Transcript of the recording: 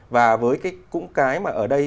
và với cái cũng cái mà ở đây